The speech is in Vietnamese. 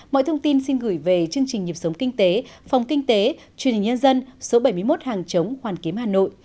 mọi thông tin xin gửi về chương trình nhịp sống kinh tế phòng kinh tế truyền hình nhân dân số bảy mươi một hàng chống hoàn kiếm hà nội